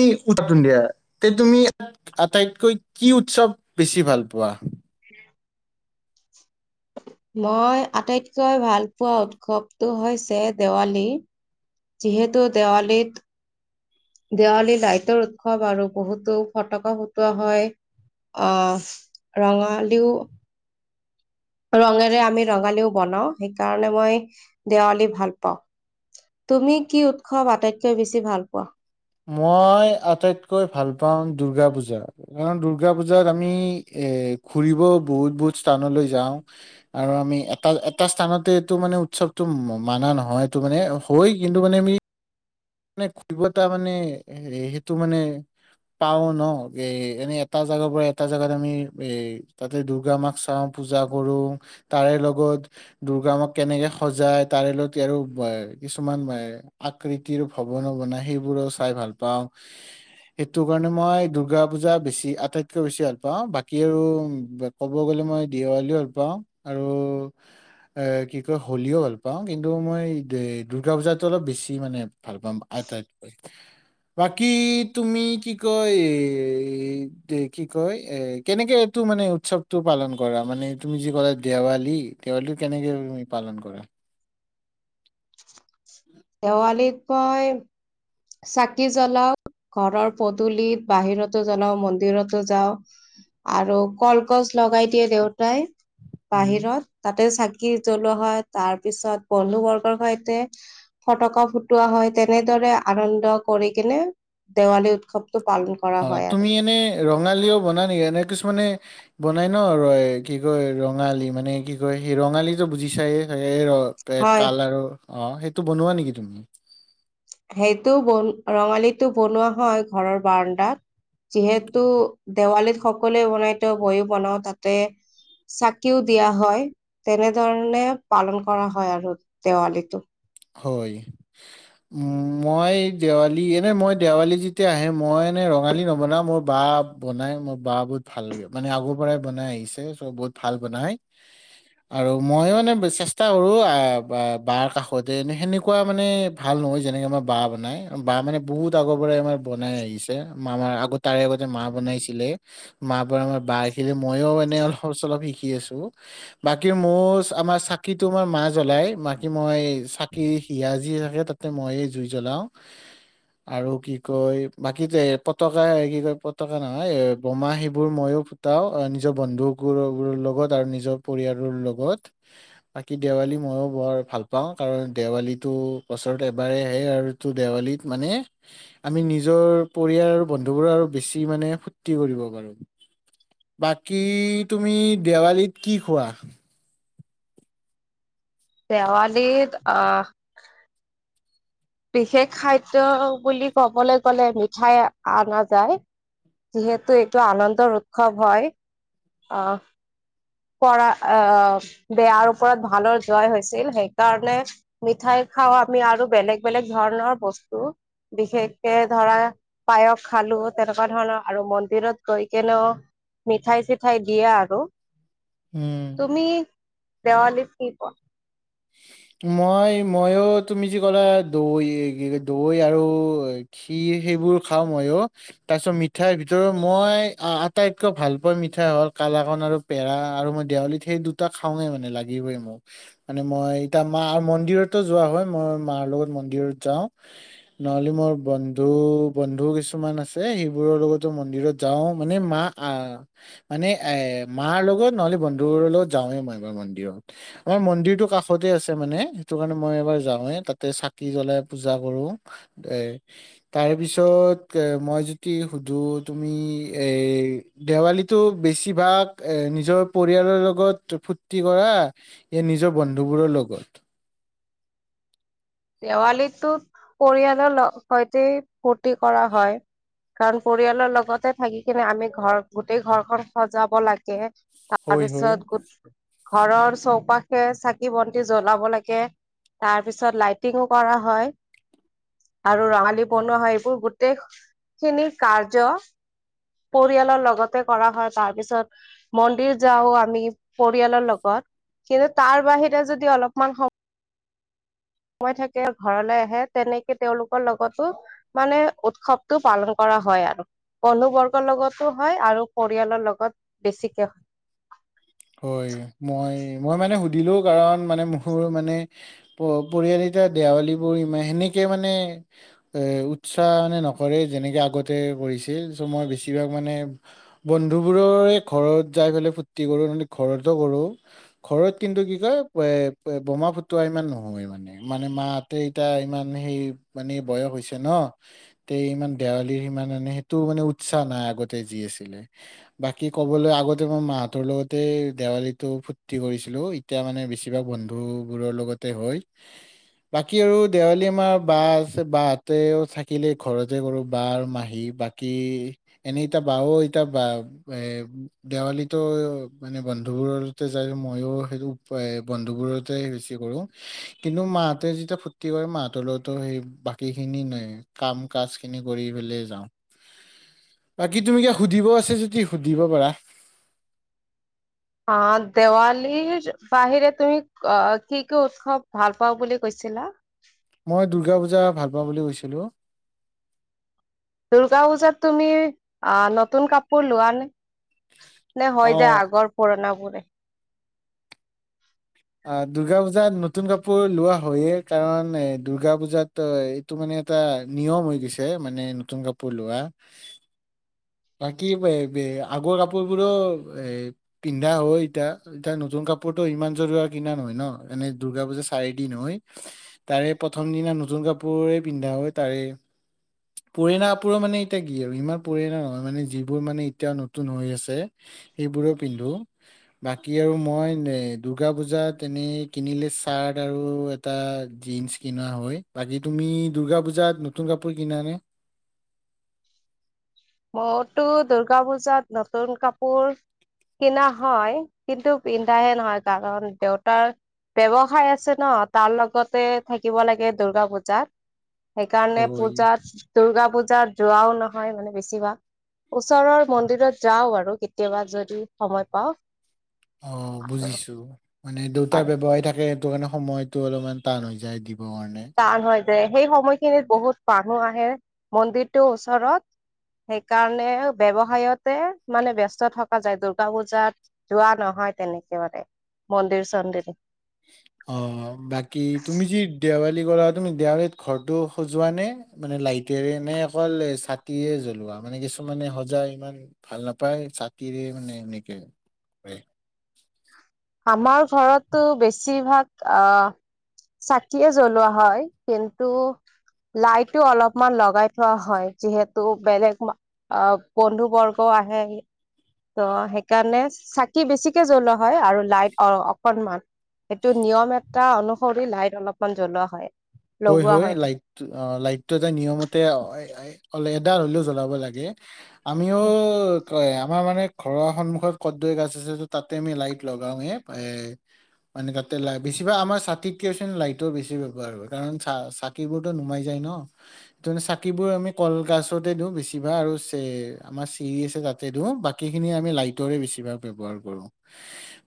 ই উদাহৰণ দিয়া তে তুমি, আটাই কৈ কি উৎসৱ বেছি ভাল পোৱা। মই আটাইতকৈ ভাল পোৱা উৎসৱটো হৈছে দেৱালী, যিহেতু দেৱালীত দেৱালী লাইতৰ উৎসৱ আৰু বহুতো ফটকা ফুটোৱা হয়, আহ ৰঙালীও ৰঙেৰে আমি ৰঙালীও বনাওঁ, সেইকাৰণে মই দেৱালী ভাল পাওঁ, তুমি কি উৎসৱ আটাইতকৈ বেছি ভাল পোৱা। মই আটাইতকৈ ভাল পাওঁ দূৰ্গা পূজা, কাৰণ দূৰ্গা পূজাত আমি এ ঘুৰিব বহুত-বহুত স্থানলৈ যাওঁ আৰু আমি এটা-এটা স্থানতে এইটো মানে উৎসৱটো মানা নহয় এটো মানে হয় কিন্তু মানে আমি মানে [unintelligible] মানে এ সেইটো মানে পাও ন এ এনে এটা জেগাৰ পৰা এটা জেগাত আমি এ তাতে দূৰ্গা মাক চাওঁ পূজা কৰো তাৰে লগত দূৰ্গা মাক কেনেকে সজাই তাৰে লগত আৰু কিছুমান আকৃতি তিৰ ভৱনো বনাই সেইবোৰো চাই ভাল পাওঁ, সেইটো কাৰণে মই দূৰ্গা পূজা বেছি আটাইতকৈ বেছি ভাল পাওঁ বাকী আৰু ক'ব গলে মই দিৱালীও ভাল পাওঁ আৰু এ কি কয় হোলীও ভাল পাওঁ কিন্তু মই দূৰ্গা পূজাতো অলপ বেছি মানে ভাল পাম আটাইতকৈ বাকী তুমি কি কয় কি কয় এ কেনেকেটো মানে উৎসৱটো পালন কৰা মানে তুমি যি কলো দেৱালী দেৱালীটো কেনেকৈ তুমি পালন কৰা দেৱালীত কয় চাকি জ্বলাও ঘৰৰ পদলিত বাহিৰতো জ্বলাও মন্দিৰতো যাও আৰু কলকছ লগাই দিয়ে দেউতাই উম। বাহিৰত তাতে চাকি কি জ্বলোৱা হয় তাৰ পিছত বন্ধু বৰ্গৰ সৈতে ফটকা ফুটোৱা হয় তেনেদৰে আনন্দ কৰি কেনে দেৱালী উৎসৱ অ তুমি এনে ৰঙালীও বনা নেকি এনে কিছুমানে বনাই ন ৰয় কি কয় ৰঙালী মানে কি কয় সেই ৰঙালী টো বুজি চাইে চাগে এ ৰ ত হয় তাল আৰু অ সেইটো বনোৱা নেকি তুমি সেইটো বন ৰঙালীটো বনোৱা হয় ঘৰৰ বাৰাণ্ডাত যিহেতু দেৱালীৰ সকলোৱে বনাই থ বৈো বনাও তাতে চাকিও দিয়া হয় তেনেধৰণে পালন কৰা হয় আৰু দেৱালীটো হয় উ মই দেৱালী এনে মই দেৱালী যেতিয়া আহে মই এনে ৰঙালী নবনাও মোৰ বা বনাই মোৰ বা বহুত ভাল লাগে মানে আগৰ পৰাই বনাই আহিছে চ' বহুত ভাল বনাই আৰু মই মানে চেষ্টা কৰো বাৰ কাষ তে এ সেনেকুৱা মানে ভাল নহয় যেনেকে আমাৰ বা বনাই বা মানে বহুত আগৰ পৰা আমাৰ বনাই আহিছে মাৰ আগত তাৰে আগতে মা বনাইছিলে মা ব আমাৰ বা শিকিলে মইও মনেে অলপ চলপ শিকি আছো বাকী মোৰ আমাৰ চাকিতো আমাৰ মা জ্বলাই মাকি মই চাকি হিয়া যি থাকে তাতে মই জুই জ্বলাও আৰু কি কয় বাকী পতকা কি কয় পতকা নহয় বোমা সেইবোৰ মইো ফুটাও নিজৰ বন্ধুবোৰৰ লগত আৰু নিজৰ পৰিয়ালৰ লগত বাকী দেৱালী মইও বৰ ভাল পাওঁ কাৰণ দেৱালীটো বছৰত এবাৰ আহে আৰু দেৱালীত মানে আমি নিজৰ পৰিয়াল বন্ধুবোৰ আৰু বেছি মানে ফূুৰ্তি কৰিব পাৰো বাকী তুমি দেৱালীত কি খোৱা দেৱালীত আহ বিশেষ খাদ্য বুলি কবলৈ গলে মিঠাই অনা যায় যিহেতু এইটো আনন্দৰ উৎসৱ হয় আহ পৰা আহ বেয়াৰ ওপৰত ভালৰ জয় হৈছিল সেইকাৰণে মিঠাই খাওঁ আমি আৰু বেলেগ বেলেগ ধৰণৰ বস্তু বিশেষকে ধৰা পায়স খালো তেনেকুৱা ধৰণৰ আৰু মন্দিৰত গৈ কিনে মিঠাই চ উঠাই দিয়া আৰু উম তুমি দেৱালি কি খোৱা মই মইো তুমি যি ক'লা দৈ কি দৈ আৰু খিৰ সেইবোৰ খাওঁ মইো তাৰপিছত মিঠাইৰ ভিতৰত মই আটাইতকৈ ভাল পোৱা মিঠাই হল কালাকান আৰু পেৰা আৰু মই দেৱালীত সেই দুটা খাওঁৱে মানে লাগিবই মোক মানে মই ইয়া মা মন্দিৰতো যোৱা হয় মই মাৰ লগত মন্দিৰত যাওঁ নহলে মোৰ বন্ধু বন্ধু কিছুমান আছে সেইবোৰৰ লগতো মন্দিৰত যাও মানে মা মানে এ মাৰ লগত নহলে বন্ধুোৰৰ লগত যাওঁৱেই মই মন্দিৰত আমাৰ মন্দিৰতো কাষতে আছে মানে সেইটো কাৰণে মই এবাৰ যাওঁৱে তাতে চাকি জলাই পূজা কৰো এ তাৰ পিছত এ মই যদি সুধো তুমি এ দেৱালীটো বেছিভাগ এ নিজৰ পৰিয়ালৰ লগত ফূুৰ্তি কৰা নিজৰ নিজৰ বন্ধুবোৰৰ লগত দেৱালীত পৰিয়ালৰ লগ সৈতে ফূৰ্তি কৰা হয় কাৰণ পৰিয়ালৰ লগতে থাকি কিনে আমি ঘৰ গোটেই ঘৰখন সজাব লাগে হয় হয় তাৰপিছত গ ঘৰৰ চৌপাশে চাকি বন্তি জ্বলাব লাগে তাৰপিছত লাইট টিঙো কৰা হয় আৰু ৰঙালী বনোৱা হয় এইবোৰ গোটেই খিনি কাৰ্য পৰিয়ালৰ লগতে কৰা হয় তাৰ পিছত মন্দিৰ যাও আমি পৰিয়ালৰ লগত কিন্তু তাৰ বাহিৰে যদি অলপমান সময় সময় থাকে ঘৰলৈ আহে তেনেকে তেওঁলোকৰ লগতো মানে উৎসৱটো পালন কৰা হয় আৰু বন্ধু বৰ্গৰ লগতো হয় আৰু পৰিয়ালৰ লগত বেছিকে হয় হয় মই মই মানে সুধিলোও কাৰণ মানে মোৰ মানে পৰিয়াল এটাাৰ দেৱালীবোৰ ইমান সেনেকে মানে এ উৎসাহ মানে নকৰে যেনেকৈ আগতে কৰিছিল চ' মই বেছিভাগ মানে বন্ধুবোৰৰে ঘৰত যাই পেলাই ফূুৰ্তি কৰোঁ ঘৰত কৰো ঘৰত কিন্তু কি কয় এ বোমা ফুটুৱা ইমান নহয় মানে মানে মাহঁতে ইতিয়া ইমান সেই মানে বয়স হৈছে ন তে ইমান দেৱালীৰ সিমান মানে সেইটো মানে উৎসাহ নাই আগতে যি আছিলে বাকী ক'বলৈ আগতে মই মাহতৰ লগত দেৱালীটো ফূৰ্তি কৰিছিলো এতিয়া মানে বেছিভাগ বন্ধুবোৰৰ লগতে হয় বাকী আৰু দেৱালী আমাৰ বা আছে বাহতেও থাকিলে ঘৰতে কৰো বা মাহী বাকী এনেইকতা বাও এতিয়া বা এ দেৱালীো মান বন্ধু বোৰ যাই মইো সেইটো উপায় বন্ধু বোৰতে বেছি কৰো কিন্তু মাহতে যেতিয়া ফুৰ্তি কৰে মাহতৰ লগতো সেই বাকী খিনি ন কাম কাজ খিনি কৰি পেলাই যাও বাকী তুমি কে সুধিব আছে যদি সুধিব পাৰা অ দেৱালীৰ বাহিৰে তুমি কি কি উৎসৱ ভাল পাওঁ বুলি কৈছিলা মই দূৰ্গা পূজা ভাল পাওঁ বুলি কৈছিলো দুূৰ্গা পূজাত তুমি আহ নতুন কাপোৰ লোৱা নে নে অ হয় যে আগৰ পুৰণা [inaudible] অ দুৰ্গা পূজাত নতুন কাপোৰ লোৱা হয়য়ে কাৰণ এ দুৰ্গা পূজাত এইটো মানে এটা নিয়ম হৈ গৈছে মানে নতুন কাপোৰ লোৱা বাকী আগৰ কাপোৰ বোৰো এ পিন্ধা হয় এতিয়া এতিয়া নতুন কাপোৰতটো ইমান জৰু কিনা নহয় ন এনে দুূৰ্গা পূজা চাৰি দিন হয় তাৰে প্ৰথম দিনা নতুন কাপোৰে পিন্ধা হয় তাৰে পুৰণা কাপোৰো মানে এতিয়া কি আৰু ইমান পুৰণা নহয় মানে যিবোৰ মানে এতিয়া নতুন হৈ আছে সেইবোৰো পিন্ধো বাকি আৰু মই দুৰ্গা পূজাত তেনে কিনিলে চাৰ্ট আৰু এটা জিন্চ কিনোৱা হয় বাকী তুমি দূৰ্গা পুজাত নতুন কাপোৰ কিনানে মোৰতো দুূৰ্গা পূজাত নতুন কাপোৰ কিনা হয় কিন্তু পিন্ধাহে নহয় কাৰণ দেউতাৰ ব্যৱসায়ৰ আছে ন তাৰ লগতে থাকিব লাগে দূৰ্গা পূজাত সেইকাৰণে হয় পূজাত দূৰ্গা পূজাত যোৱাও নহয় মানে বেছিভা ওচৰৰ মন্দিৰত যাওঁ আৰু কেতিয়াবা যদি সময় পাওঁ অ আৰু বুজিছো মানে দুয়তাৰ হয়। ব্যৱসায় থাকে সেইটো কাৰণে সময়তো অলপমান টান হৈ যায় দিব হয় নে যে সেই সময়খিনিত বহুত মানুহ আহে মন্দিৰটো ওচৰত সেইকাৰণে ব্যৱসায়তো মানে ব্যস্ত থকা যায় দূৰ্গা পূজাত যোৱা নহয় তেনেকৈ মানে মন্দিৰ চন্দিৰ অ বাকী তুমি যি দেৱালী কৰা তুমি দেৱালীত ঘৰটো সজোৱা নে মানে লাইটেৰে নে অকল ছাকিয়ে জ্বলোৱা এনে মানে কিছুমানে সজাই ইমান ভাল নাপায় ছাকিৰে মানে এনেকে আমাৰ ঘৰতটো বেছিভাগ আঁহ চাকিয়ে জ্বলোৱা হয় কিন্তু লাইটো অলপমান লগাই থোৱা হয় যিহেতু বেলেগ অ বন্ধু বৰ্গ আহে ত সেইকাৰণে চাকি বেছিকে জ্বলোৱা হয় আৰু লাইট অঁ অকনমান সেইটো নিয়ম এ টা অনুসৰি লাইট অলপমান জ্বলোৱা হয় হয় হয় লাইট অঁ লাইটটো এটা নিয়মতে ড হ'লেও জ্বলাব লাগে আমিওঁ ক আমাৰ মানে ঘৰৰ সন্মুখত কদৈ গাছ আছে ত তাতে আমি লাইট লগাওৱে এ মানে তাতে ল বেছিভাগ আমাৰ ছাতিতকছে লাইটৰ বেছি ব্যৱহাৰৰ কাৰণ চ চাকিবোৰতো নুমাই যায় ন সেইে চাকিবোৰ আমি কলগছতে দিও বেছিভাগ আৰু চ আমাৰ চিৰি আছে তাতে দিও বাকী খিনি আমি লাইটৰে বেছিভাগ ব্ৱহাৰ কৰো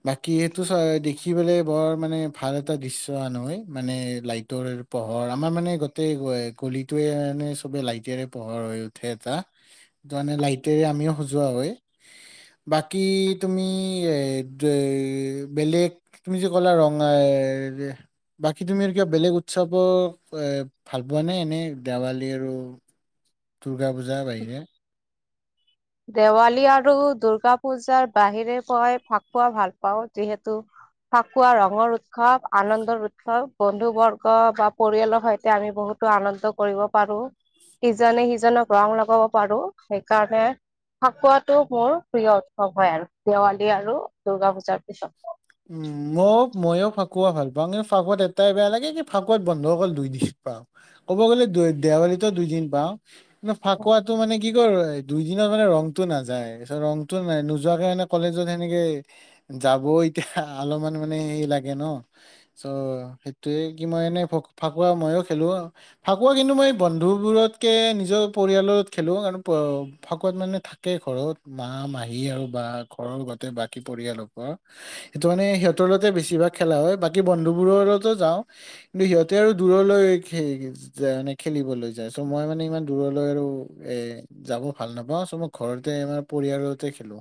বাকি সেইটো চ দেখিবলে বৰ মানে ভাল এটা দৃশ্য আন হয় মানে লট পোহৰ আমাৰ মানে গোটেই গলিটোয়ে মানে চবে লাইটৰে পোহৰ হৈ উঠে এটা তানে লাইটৰে আমিও সজোৱা হয় বাকী তুমি এ বেলেগ তুমি যে কলা ৰঙা বাকি তুমি আৰু কিবা বেলেগ উৎসৱৰ এ ভাল পোৱা নাই এনেই দেৱালী আৰু দুৰ্গা বুজা যাই না দেৱালী আৰু দুূৰ্গা পূজাৰ বাহিৰে পই ফাকুৱা ভাল পাওঁ যিহেতু ফাকুৱা ৰঙৰ উৎসৱ আনন্দৰ উৎসৱ বন্ধু বৰ্গ বা পৰিয়ালৰ সৈতে আমি বহুতো আনন্দ কৰিব পাৰো ইজনে সিজনক ৰং লগাব পাৰো সেইকাৰণে ফাকুৱাটো মোৰ প্ৰিয় উৎসৱ হয় আৰু দেৱালী আৰু দুূৰ্গা পূজাৰ পিছত উম ময় ময়ো ফাকুৱা ভাল পাওঁ কিন্তু ফাকুৱাত এটাই বেয়া লাগে কি ফাকুৱাত বন্ধসকল দুই দিন পাওঁ ক'ব গ'লে দেৱালীতো দুইদিন পাওঁ ন ফাককুৱাাতটো মানে কি কৰ দুই দিনত মানে ৰংতটো নাযায় তাৰিত ৰংটো নাই নোযোৱাকে মানে কলেজত সেনেকে যাব এয়া অলপমান মানে হে লাগে ন চ' সেইটয়ে কি মই এনেই ফাকুৱা মইো খেলো ফাকুৱা কিন্তু মই বন্ধু বোৰতকে নিজৰ পৰিয়ালত খেলো কাৰ ফাকুৱাত মানে থাকে ঘৰত মা মাহী আৰু বা ঘৰৰ গোতে বাকী পৰিয়ালৰ সেইটো মানে সিহঁতৰতে বেছিভাগ খেলা হয় বাকী বন্ধুবোৰৰ লগতো যাওঁ কিন্তু সিহঁতে আৰু দূৰলৈ মানে খেলিবলৈ যায় চ' মই মানে ইমান দূৰলৈ আৰু এ যাব ভাল নাপাওঁ চ মই ঘৰতে ম পৰিয়ালতে খেলো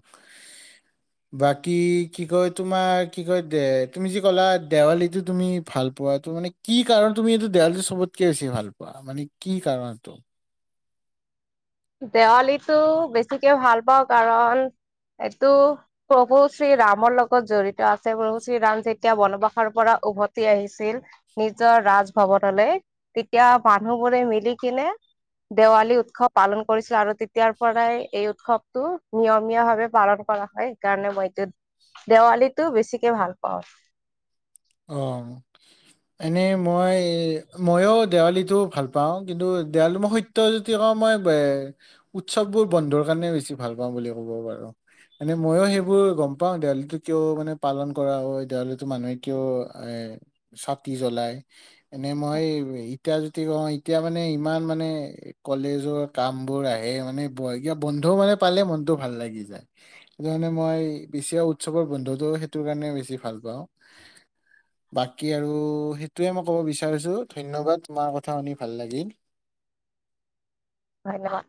বাকী কি কয় তোমাৰ কি কয় দে তুমি যি ক'লা দেৱালীটো তুমি ভাল পোৱাাতটো মানে কি কাৰণ তুমি এইটো দেৱালীটো চবতকে বেছি ভাল পোৱা মানে কি কাৰণটো দেৱালীটো বেছিকে ভাল পাওঁ কাৰণ এইটো প্ৰভু শ্ৰীৰামৰ লগত জড়িত আছে প্ৰভু শ্ৰীৰাম যেতিয়া বনবাসৰ পৰা উভতি আহিছিল নিজৰ ৰাজভৱনলৈ তেতিয়া মানুহবোৰে মিলি কিনে দেৱালী উৎসৱ পালন কৰিছিলো আৰু তেতিয়াৰ পৰাই এই উৎসৱটো নিয়মীয়া ভাৱে পালন কৰা হয় সেইকাৰণে মইটো দেৱালীটো বেছিকে ভাল পাওঁ অ এনেই মই মইো দেৱালীটো ভাল পাওঁ কিন্তু দেৱালী মই সত্য় য কওঁ মই এ উৎসৱবোৰ বন্ধৰ কাৰণে বেছি ভাল পাওঁ বুলি ক'ব পাৰো মনে মইও সেইবোৰ গম পাওঁ দেৱালীটো কিয় মানে পালন কৰা হয় দেৱালীো মানুহে ক শতীজলাই এনেই মই এতিয়া যদি কওঁ এতিয়া মানে ইমান মানে কলেজৰ কাম বোৰ আহে মানে ক বন্ধু মানে পালে মনতটো ভাল লাগি যায় ধৰণে মই বেছি উ উৎসৱৰ বন্ধুতটো সেইটো কাৰণে বেছি ভাল পাওঁ বাকী আৰু সেইটোয়ে মই কব বিচাৰিছো ধ্যনবাবাদ তোমাৰ কথা শুনি ভাল লাগিল ধ্যনবাদ